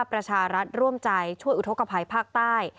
ประชารัฐร่วมใจช่วยอุทธกภัยภาคใต้